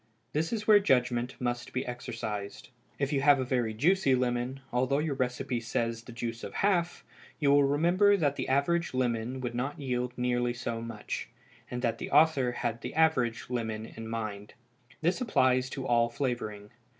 This is where judgment must be exercised. If you have a very juicy lemon, although your recipe says the juice of half, you will remember that the average lemon would not yield nearly so much, and that the author had the average lemon in mind. This applies to all flavoring.